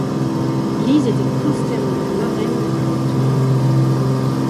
Lise était consternée, la marraine n’arrivait toujours pas.